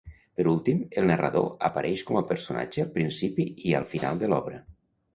Per últim, el narrador apareix com a personatge al principi i al final de l'obra.